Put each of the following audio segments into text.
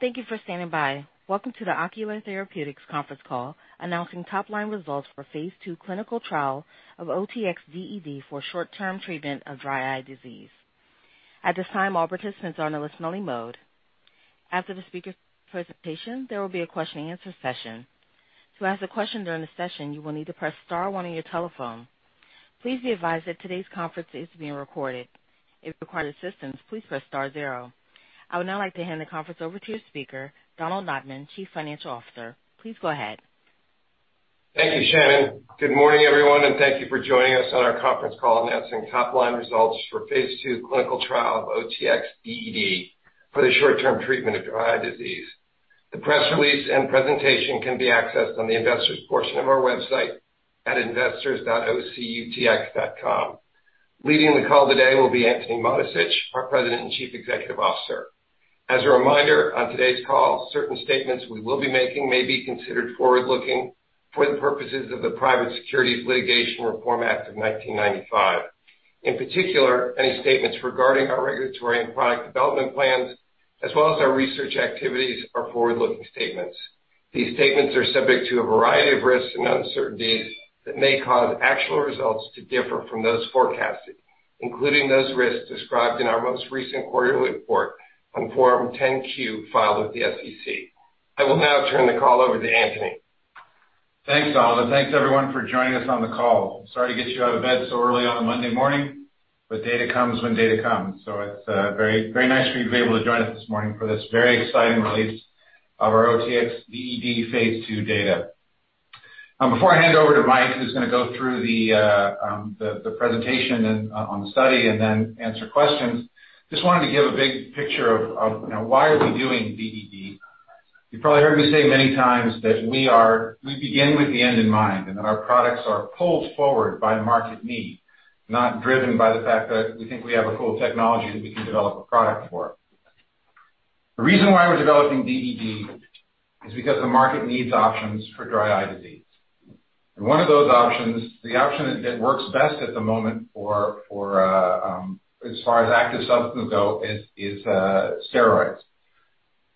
Thank you for standing by. Welcome to the Ocular Therapeutix conference call, announcing top-line results for phase II clinical trial of OTX-DED for short-term treatment of dry eye disease. At this time, all participants are in a listen-only mode. After the speaker presentation, there will be a question and answer session. To ask a question during the session, you will need to press star one on your telephone. Please be advised that today's conference is being recorded. If you require assistance, please press star zero. I would now like to hand the conference over to your speaker, Donald Notman, Chief Financial Officer. Please go ahead. Thank you, Shannon. Good morning, everyone, and thank you for joining us on our conference call announcing top line results for phase II clinical trial of OTX-DED for the short-term treatment of dry eye disease. The press release and presentation can be accessed on the investors portion of our website at investors.ocutx.com. Leading the call today will be Antony Mattessich, our President and Chief Executive Officer. As a reminder, on today's call, certain statements we will be making may be considered forward-looking for the purposes of the Private Securities Litigation Reform Act of 1995. In particular, any statements regarding our regulatory and product development plans as well as our research activities are forward-looking statements. These statements are subject to a variety of risks and uncertainties that may cause actual results to differ from those forecasted, including those risks described in our most recent quarterly report on Form 10-Q filed with the SEC. I will now turn the call over to Antony. Thanks, Donald, and thanks everyone for joining us on the call. Sorry to get you out of bed so early on a Monday morning, but data comes when data comes. It's very nice for you to be able to join us this morning for this very exciting release of our OTX-DED phase II data. Before I hand over to Mike, who's gonna go through the presentation and on the study and then answer questions, just wanted to give a big picture of, you know, why are we doing DED. You probably heard me say many times that we begin with the end in mind, and that our products are pulled forward by market need, not driven by the fact that we think we have a cool technology that we can develop a product for. The reason why we're developing OTX-DED is because the market needs options for dry eye disease. One of those options, the option that works best at the moment for as far as active substances go is steroids.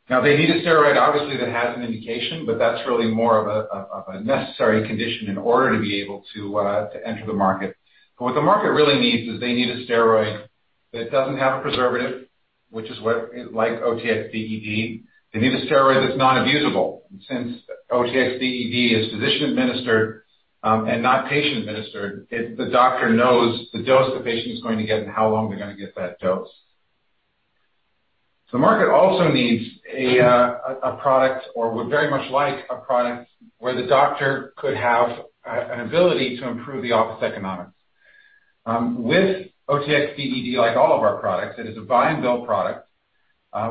Now, they need a steroid obviously that has an indication, but that's really more of a necessary condition in order to be able to enter the market. What the market really needs is they need a steroid that doesn't have a preservative, which is what like OTX-DED, they need a steroid that's non-abusable. Since OTX-DED is physician administered and not patient administered, it's the doctor knows the dose the patient is going to get and how long they're gonna get that dose. The market also needs a product or would very much like a product where the doctor could have an ability to improve the office economics. With OTX-DED, like all of our products, it is a buy and bill product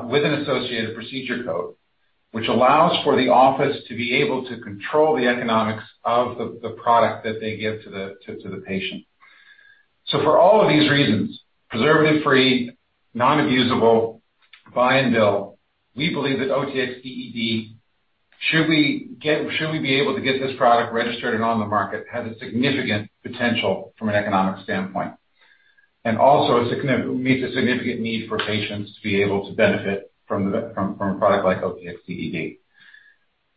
with an associated procedure code, which allows for the office to be able to control the economics of the product that they give to the patient. For all of these reasons, preservative-free, non-abusable, buy and bill, we believe that OTX-DED, should we be able to get this product registered and on the market, has a significant potential from an economic standpoint, and also meets a significant need for patients to be able to benefit from a product like OTX-DED.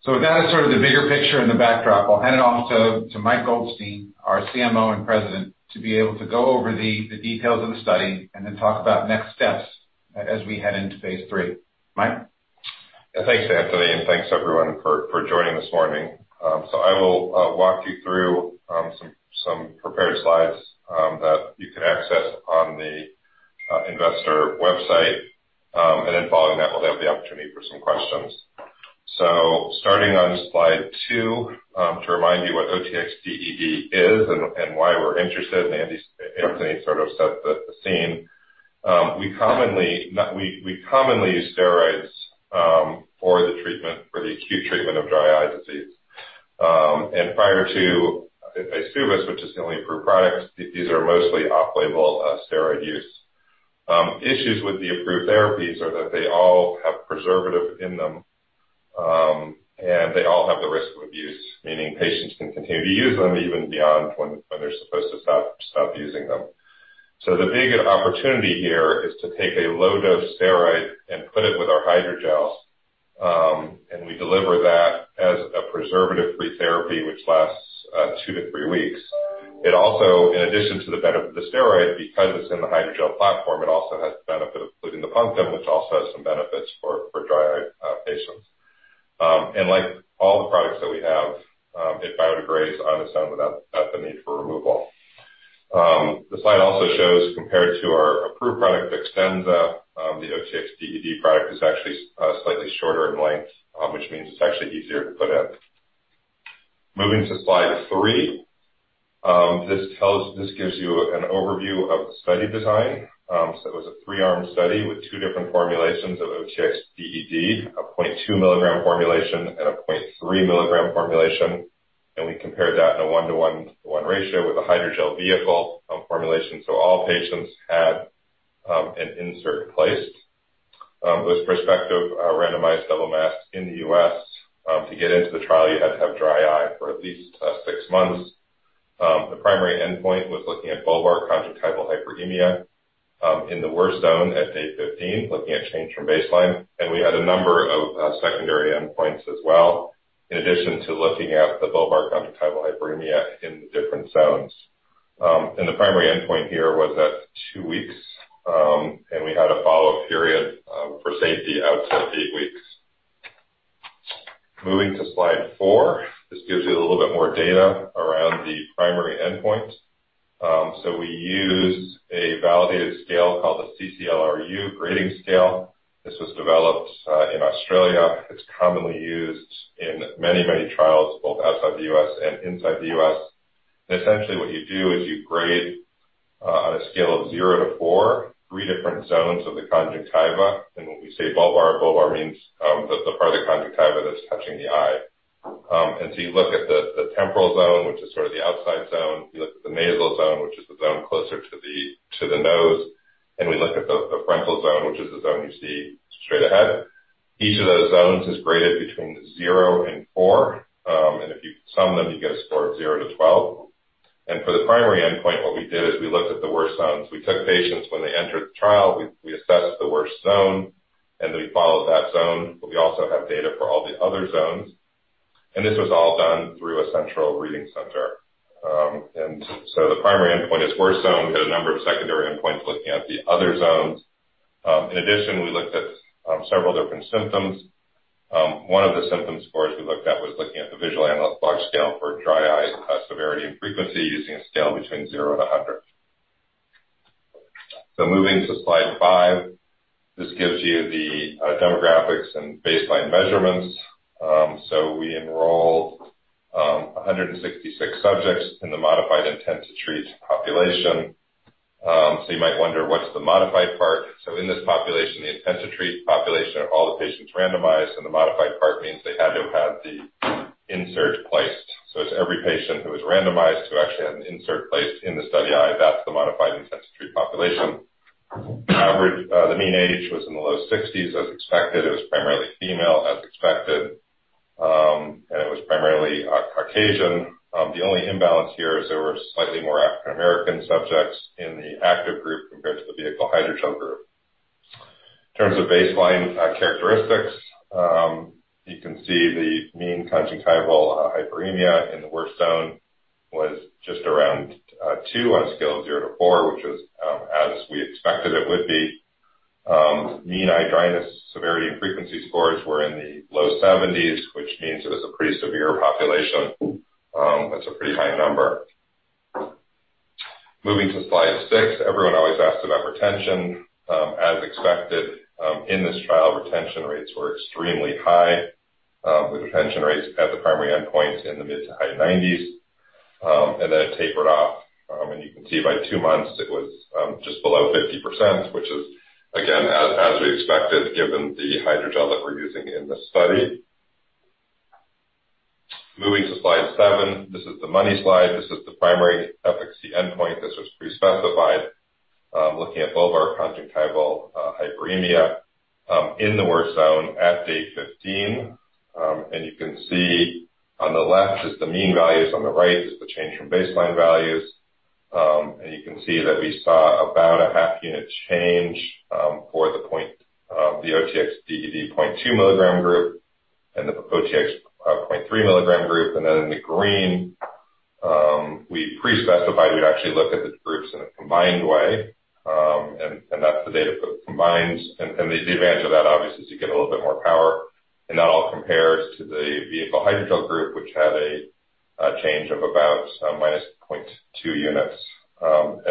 With that as sort of the bigger picture and the backdrop, I'll hand it off to Michael Goldstein, our CMO and President, to be able to go over the details of the study and then talk about next steps as we head into phase III. Mike? Thanks, Antony, and thanks everyone for joining this morning. I will walk you through some prepared slides that you can access on the investor website. Following that, we'll have the opportunity for some questions. Starting on slide two, to remind you what OTX-DED is and why we're interested, and Antony sort of set the scene. We commonly use steroids for the acute treatment of dry eye disease. Prior to Restasis, which is the only approved product, these are mostly off-label steroid use. Issues with the approved therapies are that they all have preservative in them, and they all have the risk of abuse, meaning patients can continue to use them even beyond when they're supposed to stop using them. The big opportunity here is to take a low-dose steroid and put it with our hydrogel, and we deliver that as a preservative-free therapy which lasts two to three weeks. It also, in addition to the steroid, because it's in the hydrogel platform, it also has the benefit of including the punctum, which also has some benefits for dry eye patients. And like all the products that we have, it biodegrades on its own without the need for removal. The slide also shows, compared to our approved product, DEXTENZA, the OTX-DED product is actually slightly shorter in length, which means it's actually easier to put in. Moving to slide 3. This gives you an overview of the study design. It was a three-arm study with two different formulations of OTX-DED, a 0.2 milligram formulation and a 0.3 milligram formulation. We compared that in a 1-to-1-to-1 ratio with a hydrogel vehicle formulation. All patients had an insert placed. It was prospective, randomized double-masked in the U.S. To get into the trial, you had to have dry eye for at least 6 months. The primary endpoint was looking at bulbar conjunctival hyperemia in the worst zone at day 15, looking at change from baseline. We had a number of secondary endpoints as well, in addition to looking at the bulbar conjunctival hyperemia in the different zones. The primary endpoint here was at 2 weeks, and we had a follow-up period for safety out to 8 weeks. Moving to slide four. This gives you a little bit more data around the primary endpoint. We used a validated scale called the CCLRU grading scale. This was developed in Australia. It's commonly used in many, many trials, both outside the U.S. and inside the U.S. Essentially what you do is you grade a scale of zero to four, three different zones of the conjunctiva. When we say bulbar means the part of the conjunctiva that's touching the eye. You look at the temporal zone, which is sort of the outside zone. You look at the nasal zone, which is the zone closer to the nose, and we look at the frontal zone, which is the zone you see straight ahead. Each of those zones is graded between 0 and 4, and if you sum them, you get a score of 0 to 12. For the primary endpoint, what we did is we looked at the worst zones. We took patients when they entered the trial, we assessed the worst zone, and then we followed that zone, but we also have data for all the other zones. This was all done through a central reading center. The primary endpoint is worst zone. We had a number of secondary endpoints looking at the other zones. In addition, we looked at several different symptoms. One of the symptom scores we looked at was looking at the Visual Analog Scale for dry eye severity and frequency using a scale between 0 to 100. Moving to slide five, this gives you the demographics and baseline measurements. We enrolled 166 subjects in the modified intent-to-treat population. You might wonder, what's the modified part? In this population, the intent-to-treat population are all the patients randomized, and the modified part means they had to have had the insert placed. It's every patient who was randomized who actually had an insert placed in the study eye, that's the modified intent-to-treat population. The mean age was in the low 60s as expected. It was primarily female as expected. It was primarily Caucasian. The only imbalance here is there were slightly more African-American subjects in the active group compared to the vehicle hydrogel group. In terms of baseline characteristics, you can see the mean conjunctival hyperemia in the worst zone was just around two on a scale of 0 to 4, which was as we expected it would be. Mean eye dryness severity and frequency scores were in the low 70s, which means it was a pretty severe population. That's a pretty high number. Moving to slide six. Everyone always asks about retention. As expected, in this trial, retention rates were extremely high. The retention rates at the primary endpoint in the mid- to high 90s, and then it tapered off. You can see by 2 months it was just below 50%, which is again, as we expected, given the hydrogel that we're using in this study. Moving to slide 7. This is the money slide. This is the primary efficacy endpoint. This was pre-specified, looking at bulbar conjunctival hyperemia in the worst zone at day 15. You can see on the left is the mean values, on the right is the change from baseline values. You can see that we saw about a half unit change for the OTX-DED 0.2 milligram group and the OTX 0.3 milligram group. Then in the green, we pre-specified we'd actually look at the groups in a combined way, and that's the data combined. The advantage of that obviously is you get a little bit more power. That all compares to the vehicle hydrogel group, which had a change of about minus 0.2 units.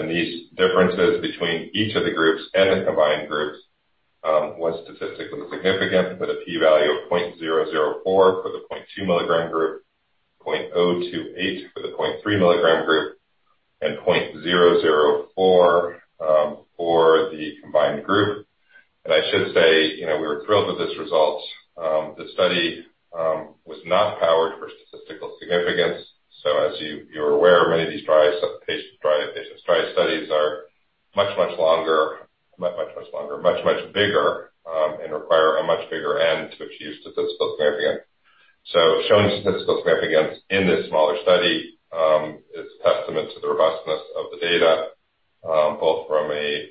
These differences between each of the groups and the combined groups was statistically significant with a p-value of 0.004 for the 0.2 milligram group, 0.028 for the 0.3 milligram group, and 0.004 for the combined group. I should say, you know, we were thrilled with this result. The study was not powered for statistical significance. As you're aware, many of these dry eye studies are much longer, much bigger, and require a much bigger N to achieve statistical significance. Showing statistical significance in this smaller study is testament to the robustness of the data, both from a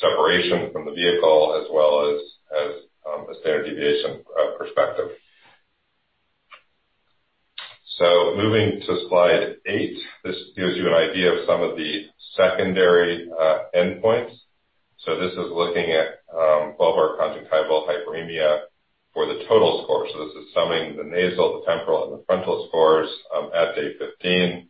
separation from the vehicle as well as a standard deviation perspective. Moving to slide 8. This gives you an idea of some of the secondary endpoints. This is looking at bulbar conjunctival hyperemia for the total score. This is summing the nasal, the temporal, and the frontal scores at day 15.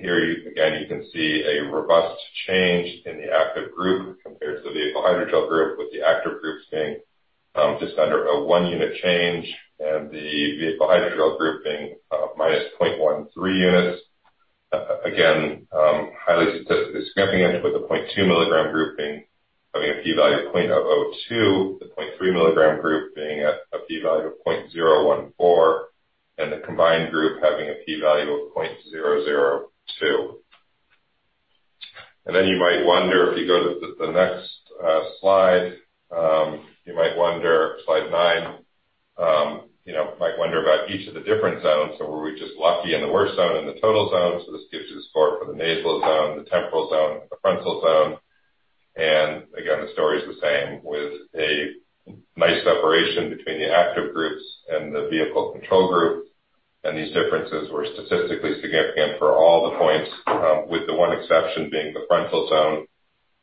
Here again, you can see a robust change in the active group compared to the vehicle hydrogel group, with the active group seeing just under a 1-unit change and the vehicle hydrogel group being minus 0.13 units. Again, highly statistically significant with the 0.2 milligram group having a p-value of 0.002. The 0.3 milligram group being at a p-value of 0.014. The combined group having a p-value of 0.002. Then you might wonder if you go to the next slide. You might wonder, slide 9, you know, might wonder about each of the different zones. Were we just lucky in the worst zone, in the total zone? This gives you the score for the nasal zone, the temporal zone, the frontal zone. The story's the same with a nice separation between the active groups and the vehicle control group. These differences were statistically significant for all the points, with the one exception being the frontal zone,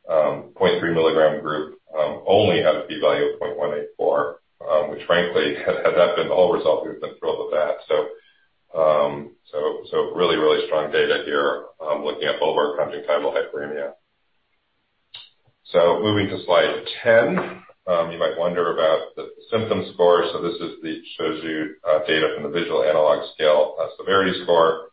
0.3 mg group, only had a P value of 0.184. Which frankly, had that been the whole result, we would have been thrilled with that. Really strong data here, looking at bulbar conjunctival hyperemia. Moving to slide 10, you might wonder about the symptom score. This shows you data from the Visual Analog Scale severity score.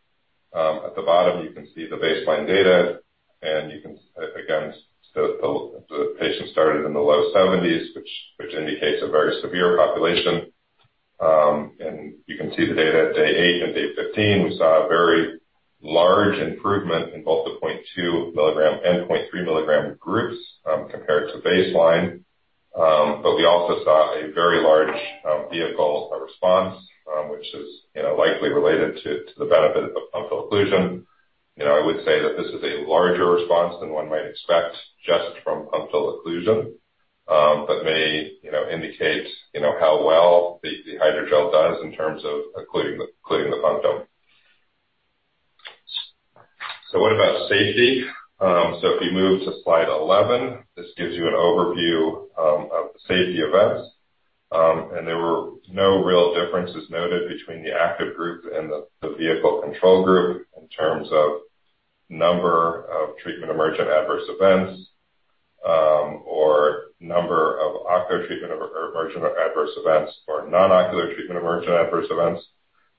At the bottom, you can see the baseline data, and you can again, the patient started in the low 70s which indicates a very severe population. You can see the data at day 8 and day 15, we saw a very large improvement in both the 0.2 milligram and 0.3 milligram groups, compared to baseline. We also saw a very large vehicle response, which is, you know, likely related to the benefit of punctal occlusion. You know, I would say that this is a larger response than one might expect just from punctal occlusion, but may, you know, indicate you know how well the hydrogel does in terms of occluding the punctum. What about safety? If you move to slide 11, this gives you an overview of the safety events. There were no real differences noted between the active group and the vehicle control group in terms of number of treatment emergent adverse events, or number of ocular treatment emergent adverse events or non-ocular treatment emergent adverse events.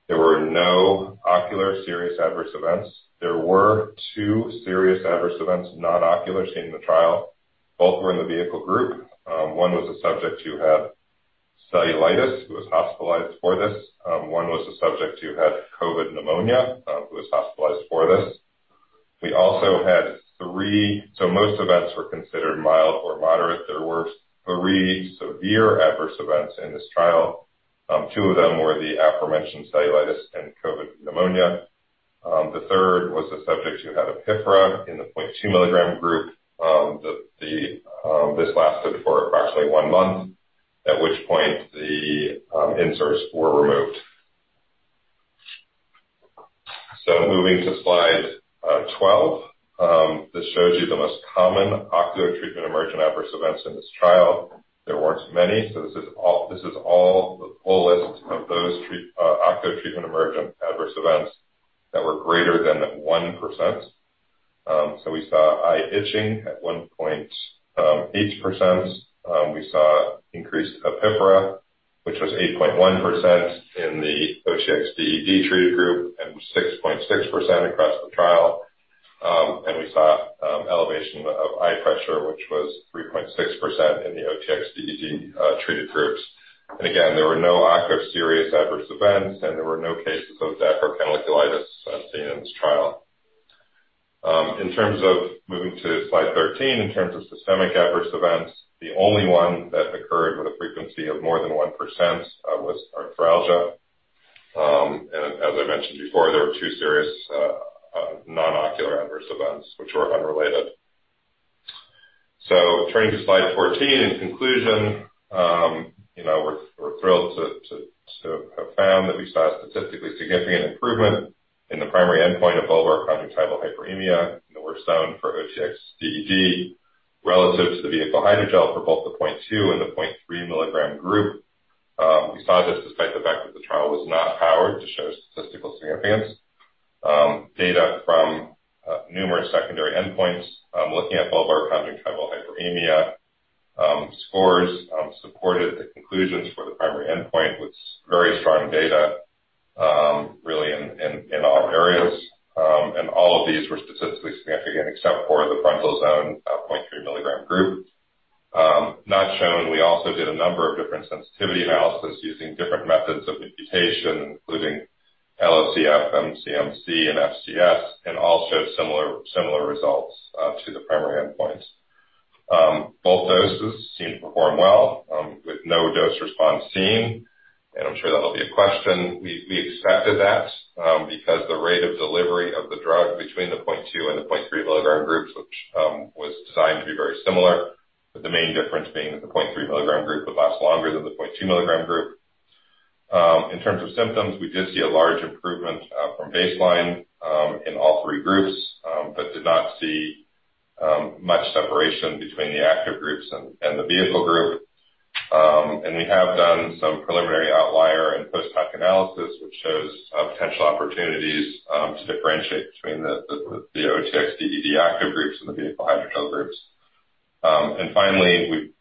There were no ocular serious adverse events. There were two serious adverse events, non-ocular, seen in the trial. Both were in the vehicle group. One was a subject who had cellulitis, who was hospitalized for this. One was a subject who had COVID pneumonia, who was hospitalized for this. Most events were considered mild or moderate. There were three severe adverse events in this trial. Two of them were the aforementioned cellulitis and COVID pneumonia. The third was a subject who had epiphora in the 0.2 mg group. This lasted for approximately 1 month, at which point the inserts were removed. Moving to slide 12. This shows you the most common ocular treatment emergent adverse events in this trial. There weren't many, so this is all the full list of those ocular treatment emergent adverse events that were greater than 1%. We saw eye itching at 1.8%. We saw increased epiphora, which was 8.1% in the OTX-DED treated group and 6.6% across the trial. We saw elevation of eye pressure, which was 3.6% in the OTX-DED treated groups. Again, there were no ocular serious adverse events, and there were no cases of dacryocanaliculitis seen in this trial. In terms of moving to slide 13, in terms of systemic adverse events, the only one that occurred with a frequency of more than 1% was arthralgia. As I mentioned before, there were two serious non-ocular adverse events which were unrelated. Turning to slide 14, in conclusion, you know, we're thrilled to have found that we saw a statistically significant improvement in the primary endpoint of bulbar conjunctival hyperemia in the worst zone for OTX-DED relative to the vehicle hydrogel for both the 0.2- and 0.3-mg group. We saw this despite the fact that the trial was not powered to show statistical significance. Data from numerous secondary endpoints looking at bulbar conjunctival hyperemia scores supported the conclusions for the primary endpoint with very strong data, really in all areas. All of these were statistically significant except for the frontal zone 0.3-mg group. Not shown, we also did a number of different sensitivity analysis using different methods of imputation, including LOCF, MCMC, and FCS, and all showed similar results to the primary endpoints. Both doses seemed to perform well, with no dose response seen. I'm sure that'll be a question. We expected that, because the rate of delivery of the drug between the 0.2 mg and the 0.3 mg groups, which was designed to be very similar, with the main difference being that the 0.3 mg group would last longer than the 0.2 mg group. In terms of symptoms, we did see a large improvement from baseline in all three groups, but did not see much separation between the active groups and the vehicle group. We have done some preliminary outlier and post-hoc analysis, which shows potential opportunities to differentiate between the OTX-DED active groups and the vehicle hydrogel groups. Finally, we've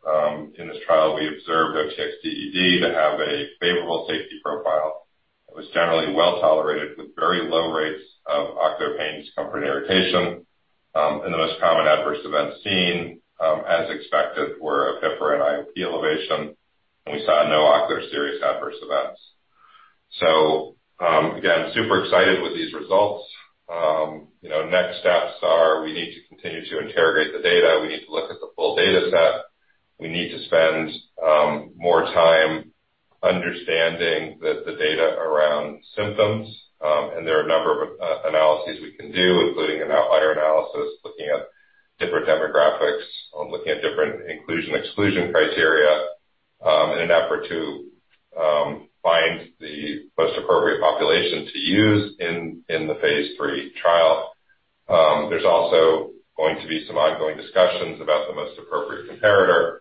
in this trial, we observed OTX-DED to have a favorable safety profile. It was generally well-tolerated with very low rates of ocular pain, discomfort, and irritation. The most common adverse events seen, as expected, were epiphora and IOP elevation, and we saw no ocular serious adverse events. Again, super excited with these results. You know, next steps are we need to continue to interrogate the data. We need to look at the full data set. We need to spend more time understanding the data around symptoms. There are a number of analyses we can do, including an outlier analysis, looking at different demographics, looking at different inclusion/exclusion criteria, in an effort to find the most appropriate population to use in the phase III trial. There's also going to be some ongoing discussions about the most appropriate comparator.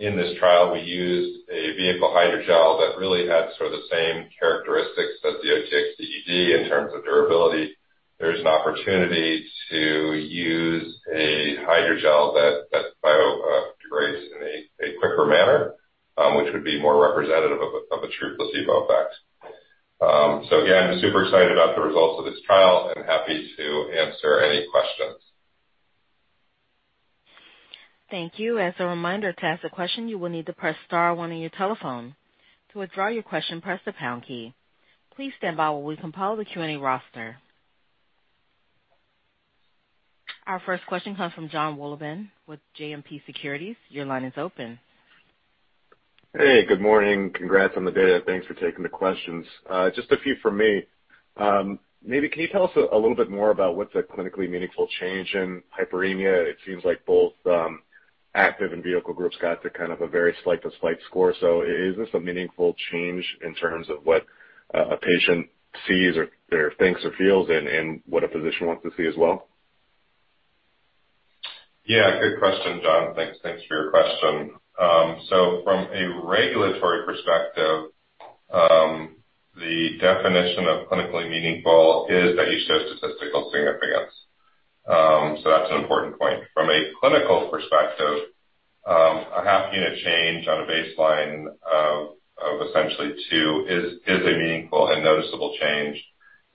In this trial, we used a vehicle hydrogel that really had sort of the same characteristics as DEXTENZA in terms of durability. There's an opportunity to use a hydrogel that biodegrades in a quicker manner, which would be more representative of a true placebo effect. Again, super excited about the results of this trial and happy to answer any questions. Thank you. As a reminder, to ask a question, you will need to press star one on your telephone. To withdraw your question, press the pound key. Please stand by while we compile the Q&A roster. Our first question comes from Jonathan Wolleben with JMP Securities. Your line is open. Hey, good morning. Congrats on the data. Thanks for taking the questions. Just a few from me. Maybe can you tell us a little bit more about what's a clinically meaningful change in hyperemia? It seems like both active and vehicle groups got to kind of a very slight to slight score. Is this a meaningful change in terms of what a patient sees or thinks or feels and what a physician wants to see as well? Yeah, good question, John. Thanks. Thanks for your question. From a regulatory perspective, the definition of clinically meaningful is that you show statistical significance. That's an important point. From a clinical perspective, a half unit change on a baseline of essentially two is a meaningful and noticeable hyperemia.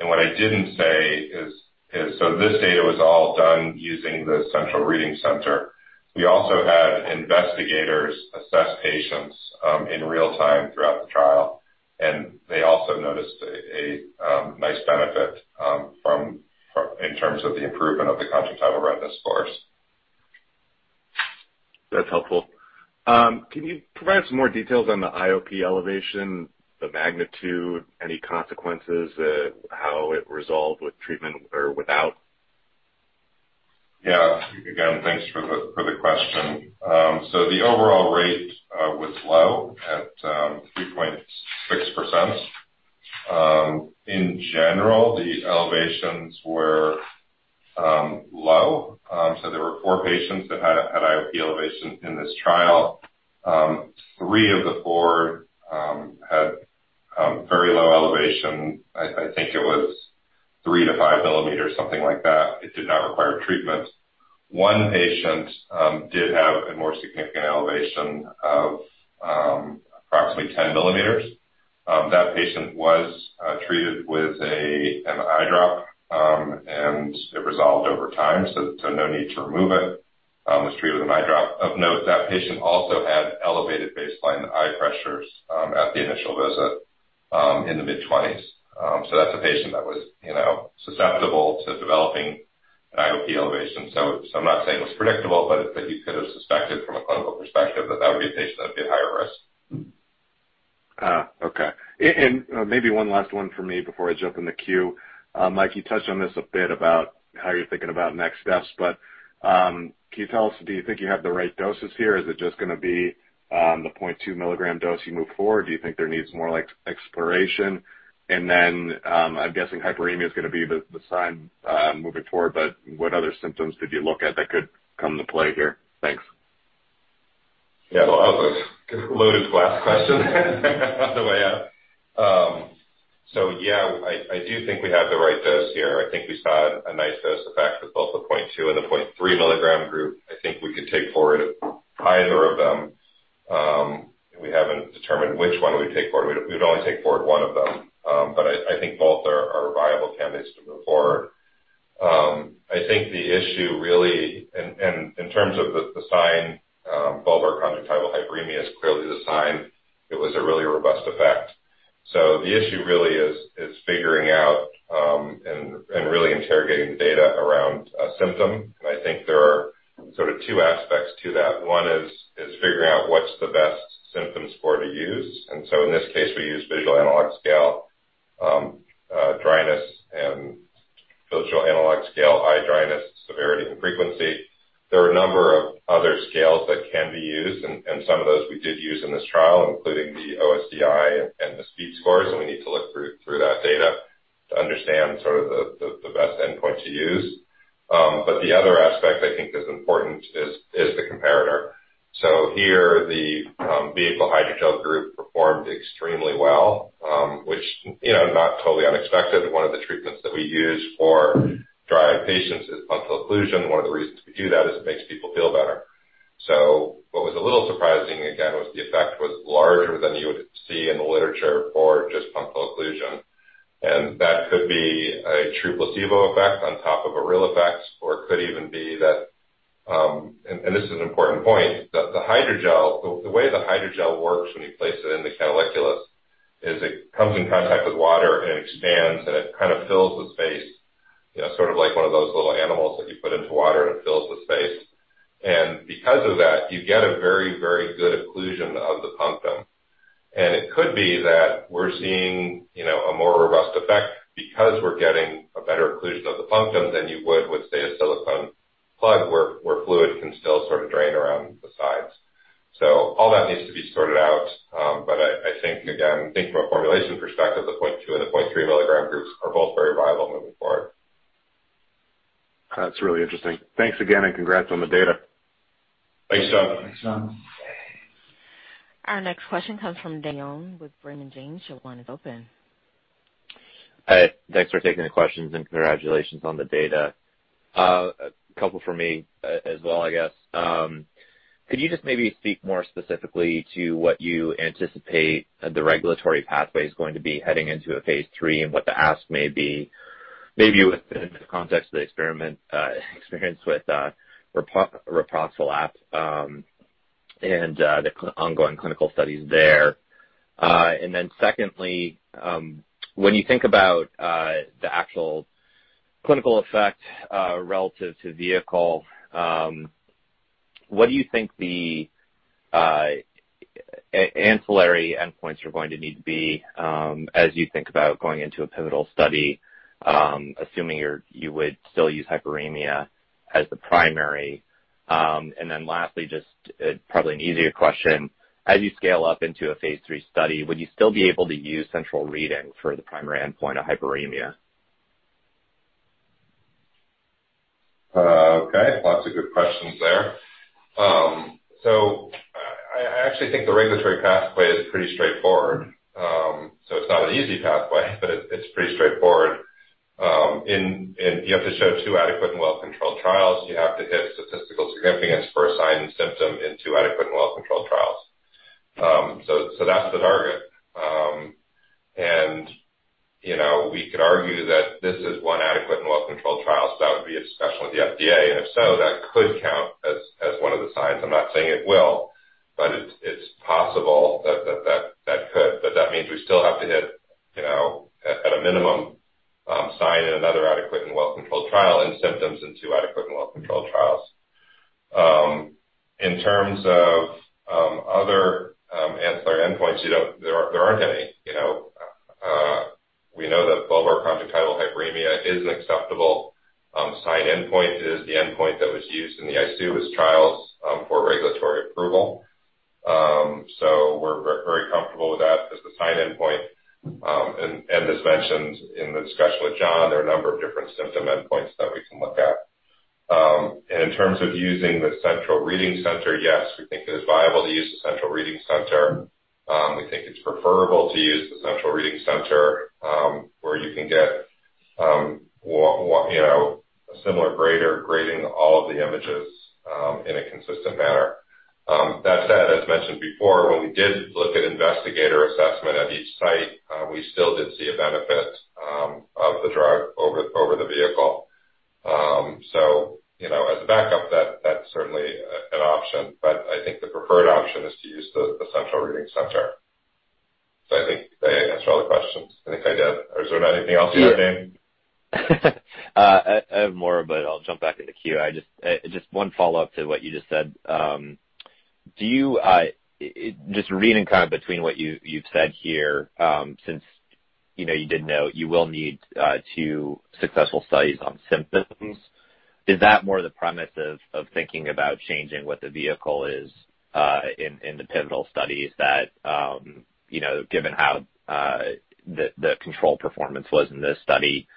What I didn't say is this data was all done using the central reading center. We also had investigators assess patients in real time throughout the trial, and they also noticed a nice benefit in terms of the improvement of the conjunctival redness scores. That's helpful. Can you provide some more details on the IOP elevation, the magnitude, any consequences, how it resolved with treatment or without? Yeah. Again, thanks for the question. So the overall rate was low at 3.6%. In general, the elevations were low. So there were four patients that had IOP elevation in this trial. Three of the four had very low elevation. I think it was 3-5 millimeters, something like that. It did not require treatment. One patient did have a more significant elevation of approximately 10 millimeters. That patient was treated with an eye drop, and it resolved over time, so no need to remove it. Of note, that patient also had elevated baseline eye pressures at the initial visit in the mid-twenties. That's a patient that was, you know, susceptible to developing an IOP elevation. I'm not saying it was predictable, but you could have suspected from a clinical perspective that that would be a patient that would be at higher risk. Maybe one last one for me before I jump in the queue. Mike, you touched on this a bit about how you're thinking about next steps, but can you tell us, do you think you have the right doses here? Is it just gonna be the 0.2 milligram dose you move forward? Do you think there needs more, like, exploration? Then, I'm guessing hyperemia is gonna be the sign moving forward, but what other symptoms did you look at that could come into play here? Thanks. Yeah. Well, that was a loaded last question on the way out. So yeah, I do think we have the right dose here. I think we saw a nice dose effect with both the 0.2 and the 0.3 milligram group. I think we could take forward either of them. We haven't determined which one we'd take forward. We'd only take forward one of them. But I think both are viable candidates to move forward. I think the issue really and in terms of the sign, bulbar conjunctival hyperemia is clearly the sign. It was a really robust effect. So the issue really is figuring out and really interrogating the data around a symptom. I think there are sort of two aspects to that. One is figuring out what's the best symptom score to use. In this case, we use Visual Analog Scale dryness and Visual Analog Scale eye dryness severity and frequency. There are a number of other scales that can be used, and some of those we did use in this trial, including the OSDI and the SPEED scores, and we need to look through that data to understand sort of the best endpoint to use. The other aspect I think is important is the comparator. Here the vehicle hydrogel group performed extremely well, which, you know, not totally unexpected. One of the treatments that we use for dry eye patients is punctal occlusion. One of the reasons we do that is it makes people feel better. What was a little surprising, again, was the effect was larger than you would see in the literature for just punctal occlusion. That could be a true placebo effect on top of a real effect, or it could even be, and this is an important point, that the hydrogel, the way the hydrogel works when you place it in the canaliculus is it comes in contact with water and it expands, and it kind of fills the space, you know, sort of like one of those little animals that you put into water and it fills the space. Because of that, you get a very, very good occlusion of the punctum. It could be that we're seeing, you know, a more robust effect because we're getting a better occlusion of the punctum than you would with, say, a silicone plug where fluid can still sort of drain around the sides. All that needs to be sorted out. I think again from a formulation perspective, the 0.2 and the 0.3 milligram groups are both very viable moving forward. That's really interesting. Thanks again, and congrats on the data. Thanks, John. Thanks, John. Our next question comes from Dayan with Bryan Garnier. Your line is open. Thanks for taking the questions and congratulations on the data. A couple from me as well, I guess. Could you just maybe speak more specifically to what you anticipate the regulatory pathway is going to be heading into a phase III and what the ask may be, maybe within the context of the experience with Reproxalap and the ongoing clinical studies there. Secondly, when you think about the actual clinical effect relative to vehicle, what do you think the ancillary endpoints are going to need to be as you think about going into a pivotal study, assuming you would still use hyperemia as the primary? Lastly, just probably an easier question. As you scale up into a phase III study, would you still be able to use central reading for the primary endpoint of hyperemia? Okay. Lots of good questions there. I actually think the regulatory pathway is pretty straightforward. It's not an easy pathway, but it's pretty straightforward. You have to show two adequate and well controlled trials. You have to hit statistical significance for a sign and symptom in two adequate and well controlled trials. That's the target. You know, we could argue that this is one adequate and well controlled trial, so that would be a discussion with the FDA. If so, that could count as one of the signs. I'm not saying it will, but it's possible that could. That means we still have to hit, you know, at a minimum, sign in another adequate and well controlled trial and symptoms in two adequate and well controlled trials. In terms of other ancillary endpoints, you know, there aren't any, you know. We know that bulbar conjunctival hyperemia is an acceptable sign endpoint. It is the endpoint that was used in the ICOW's trials for regulatory approval. We're very comfortable with that as the sign endpoint. As mentioned in the discussion with John, there are a number of different symptom endpoints that we can look at. In terms of using the central reading center, yes, we think it is viable to use the central reading center. We think it's preferable to use the central reading center, where you can get, you know, a similar grader grading all of the images, in a consistent manner. That said, as mentioned before, when we did look at investigator assessment at each site, we still did see a benefit of the drug over the vehicle. You know, as a backup, that's certainly an option. I think the preferred option is to use the central reading center. I think I answered all the questions. I think I did. Is there anything else you have, Dayan? I have more, but I'll jump back in the queue. I just one follow-up to what you just said. Just reading kind of between what you've said here, since you know you did note you will need two successful studies on symptoms, is that more the premise of thinking about changing what the vehicle is in the pivotal studies that you know given how the control performance was in this study,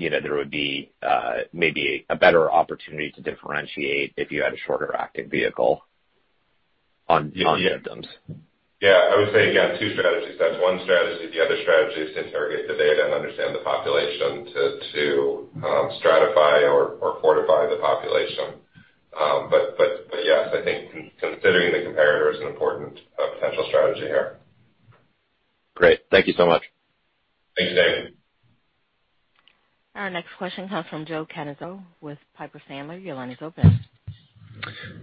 you know there would be maybe a better opportunity to differentiate if you had a shorter acting vehicle on- Yeah. On symptoms. Yeah. I would say, again, two strategies. That's one strategy. The other strategy is to interrogate the data and understand the population to stratify or fortify the population. But yes, I think considering the comparator is an important potential strategy here. Great. Thank you so much. Thanks, Dayan. Our next question comes from Joseph Catanzaro with Piper Sandler. Your line is open.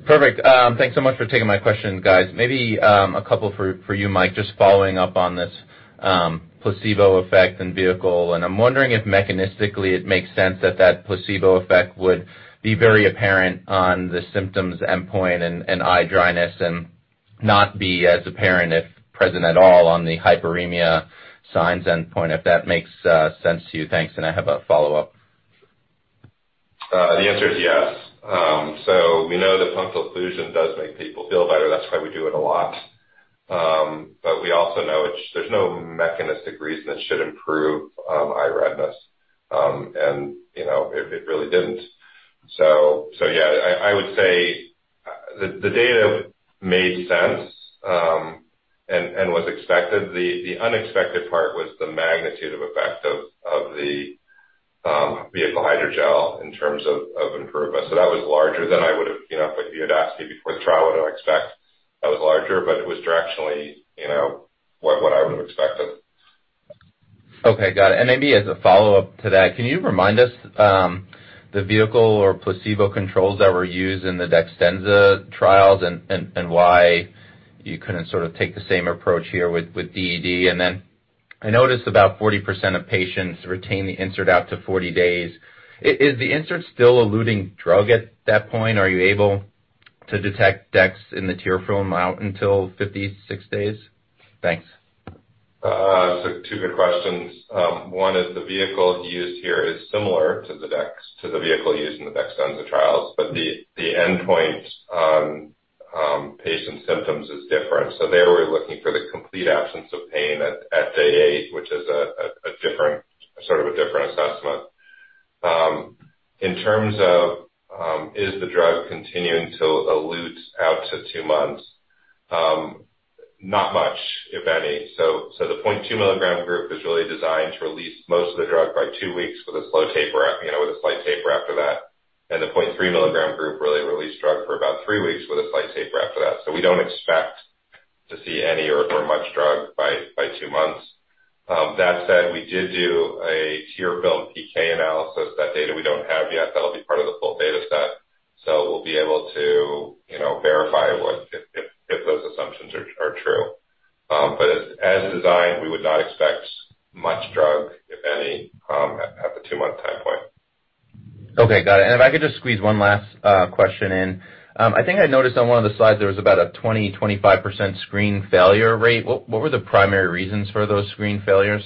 Perfect. Thanks so much for taking my questions, guys. Maybe a couple for you, Mike, just following up on this, placebo effect and vehicle. I'm wondering if mechanistically it makes sense that that placebo effect would be very apparent on the symptoms endpoint and eye dryness and not be as apparent, if present at all, on the hyperemia signs endpoint, if that makes sense to you. Thanks, and I have a follow-up. The answer is yes. We know that punctal occlusion does make people feel better. That's why we do it a lot. We also know there's no mechanistic reason it should improve eye redness. You know, it really didn't. Yeah, I would say the data made sense and was expected. The unexpected part was the magnitude of effect of the vehicle hydrogel in terms of improvement. That was larger than I would have, you know, if you had asked me before the trial what do I expect, that was larger, but it was directionally, you know, what I would have expected. Okay, got it. Maybe as a follow-up to that, can you remind us the vehicle or placebo controls that were used in the DEXTENZA trials and why you couldn't sort of take the same approach here with DED? Then I noticed about 40% of patients retain the insert out to 40 days. Is the insert still eluting drug at that point? Are you able to detect Dex in the tear film out until 56 days? Thanks. Two good questions. One is the vehicle used here is similar to the vehicle used in the DEXTENZA trials, but the endpoint on patient symptoms is different. There we're looking for the complete absence of pain at day eight, which is a different sort of assessment. In terms of is the drug continuing to elute out to two months? Not much, if any. The 0.2 milligram group is really designed to release most of the drug by two weeks with a slow taper, you know, with a slight taper after that. The 0.3 milligram group really released drug for about three weeks with a slight taper after that. We don't expect to see any or very much drug by two months. That said, we did do a tear film PK analysis. That data we don't have yet. That'll be part of the full data set. We'll be able to, you know, verify if those assumptions are true. As designed, we would not expect much drug, if any, at the two-month time point. Okay, got it. If I could just squeeze one last question in. I think I noticed on one of the slides there was about a 20-25% screen failure rate. What were the primary reasons for those screen failures?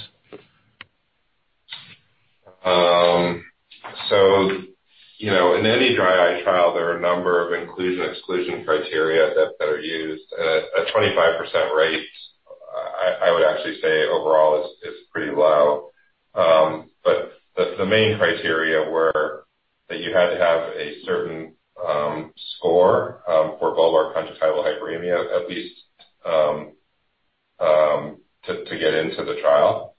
You know, in any dry eye trial, there are a number of inclusion/exclusion criteria that are used. At a 25% rate, I would actually say overall is pretty low. The main criteria were that you had to have a certain score for bulbar conjunctival hyperemia at least to get into the trial.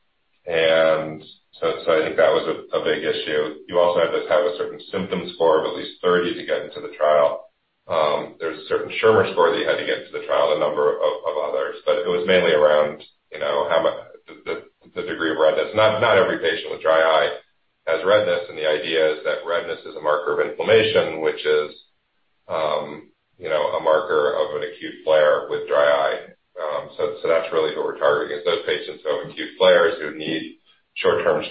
I think that was a big issue. You also had to have a certain symptom score of at least 30 to get into the trial. There's a certain Schirmer score that you had to get into the trial, a number of others. It was mainly around, you know, the degree of redness. Not every patient with dry eye has redness, and the idea is that redness is a marker of inflammation, which is, you know, a marker of an acute flare with dry eye. That's really who we're targeting is those patients. Acute flares who need short-term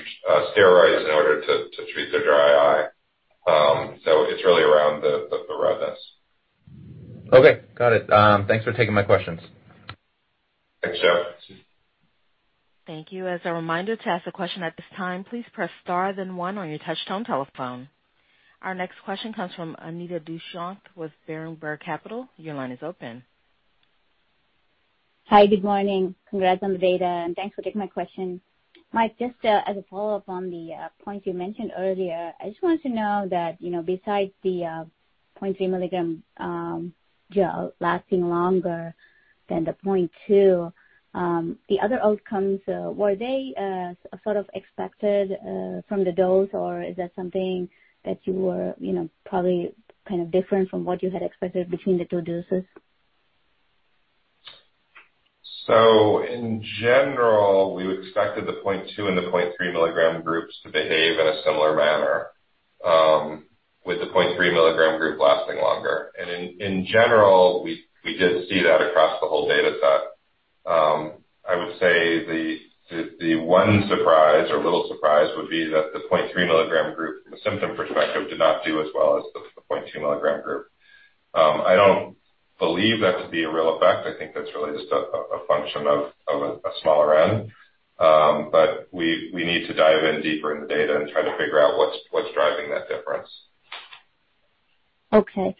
steroids in order to treat their dry eye. It's really around the redness. Okay, got it. Thanks for taking my questions. Thanks, Jeff. Thank you. As a reminder to ask a question at this time, please press star then one on your touchtone telephone. Our next question comes from Anita Dushyanth with Berenberg Capital Markets. Your line is open. Hi, good morning. Congrats on the data, and thanks for taking my question. Mike, just as a follow-up on the point you mentioned earlier, I just wanted to know that, you know, besides the 0.3 milligram gel lasting longer than the 0.2, the other outcomes were they sort of expected from the dose, or is that something that you were, you know, probably kind of different from what you had expected between the two doses? In general, we expected the 0.2 and the 0.3 milligram groups to behave in a similar manner, with the 0.3 milligram group lasting longer. In general, we did see that across the whole data set. I would say the one surprise or little surprise would be that the 0.3 milligram group from a symptom perspective did not do as well as the 0.2 milligram group. I don't believe that to be a real effect. I think that's really just a function of a smaller N. We need to dive in deeper in the data and try to figure out what's driving that difference. Okay. Okay,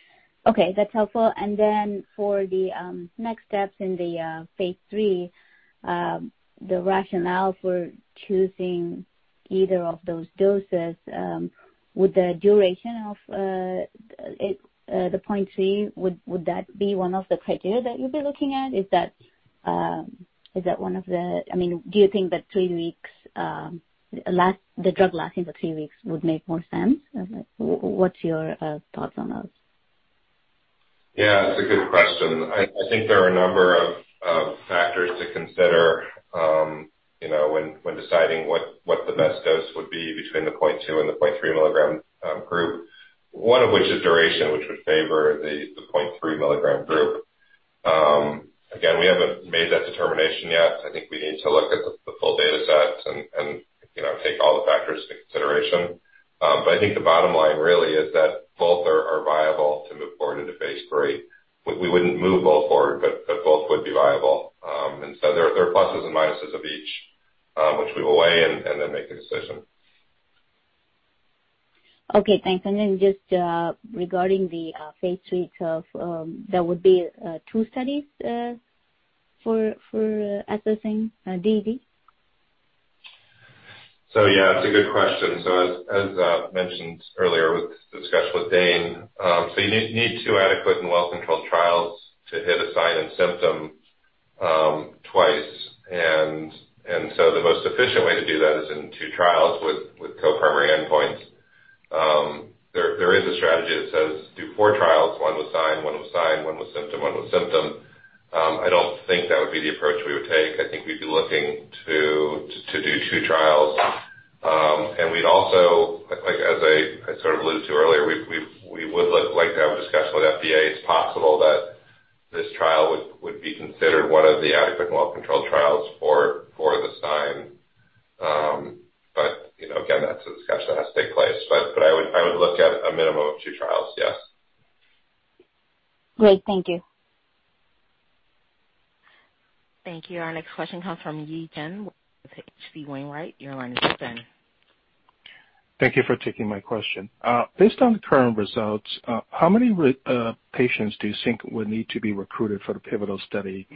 that's helpful. Then for the next steps in the phase III, the rationale for choosing either of those doses, would the duration of it, the 0.3, would that be one of the criteria that you'll be looking at? Is that one of the? I mean, do you think that 3 weeks, the drug lasting for 3 weeks would make more sense? What's your thoughts on those? Yeah, it's a good question. I think there are a number of factors to consider, you know, when deciding what the best dose would be between the 0.2 and the 0.3 mg group, one of which is duration, which would favor the 0.3 mg group. Again, we haven't made that determination yet. I think we need to look at the full data set and, you know, take all the factors into consideration. But I think the bottom line really is that both are viable to move forward into phase III. We wouldn't move both forward, but both would be viable. There are pluses and minuses of each, which we will weigh and then make a decision. Okay, thanks. Just regarding the phase III, so if there would be two studies for assessing DED? Yeah, it's a good question. As I mentioned earlier with the discussion with Dayan, you need two adequate and well-controlled trials to hit a sign and symptom twice. The most efficient way to do that is in two trials with co-primary endpoints. There is a strategy that says do four trials, one with sign, one with sign, one with symptom, one with symptom. I don't think that would be the approach we would take. I think we'd be looking to do two trials. We'd also like, as I sort of alluded to earlier, we would like to have a discussion with FDA. It's possible that this trial would be considered one of the adequate and well-controlled trials for the sign. you know, again, that's a discussion that has to take place. I would look at a minimum of two trials. Yes. Great. Thank you. Thank you. Our next question comes from Yi Chen with H.C. Wainwright. Your line is open. Thank you for taking my question. Based on the current results, how many patients do you think would need to be recruited for the pivotal study?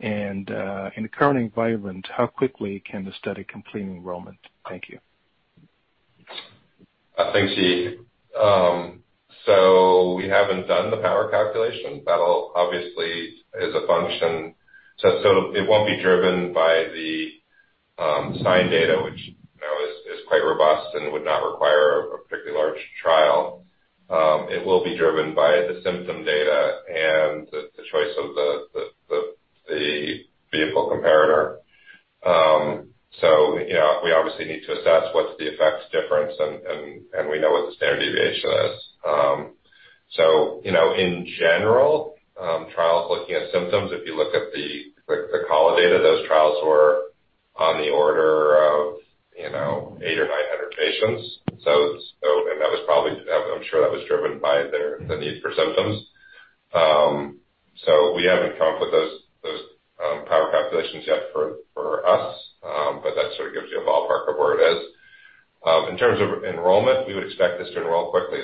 In the current environment, how quickly can the study complete enrollment? Thank you. Thanks, Yi. We haven't done the power calculation. That'll obviously be a function. It won't be driven by the sign data, which you know is quite robust and would not require a particularly large trial. It will be driven by the symptom data and the choice of the vehicle comparator. We obviously need to assess what's the effects difference and we know what the standard deviation is. In general, trials looking at symptoms, if you look at the Aldeyra data, those trials were on the order of 800 or 900 patients. That was probably. I'm sure that was driven by their need for symptoms. We haven't come up with those power calculations yet for us. That sort of gives you a ballpark of where it is. In terms of enrollment, we would expect this to enroll quickly.